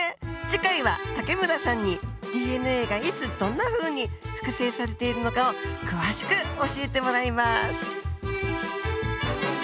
次回は武村さんにＤＮＡがいつどんなふうに複製されているのかを詳しく教えてもらいます。